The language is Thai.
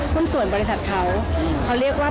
หุ้นส่วนบริษัทเขาเขาเรียกว่า